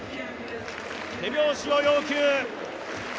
手拍子を要求。